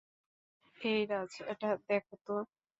এই রাজ, এটা দেখ তো।